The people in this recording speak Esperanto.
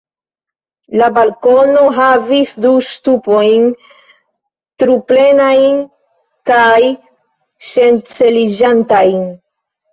La balkono havis du ŝtupojn, truplenajn kaj ŝanceliĝantajn.